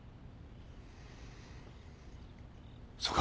そうか。